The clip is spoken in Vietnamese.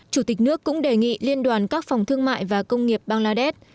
chủ tịch nước cũng đề nghị liên đoàn các phòng thương mại và công nghiệp bangladesh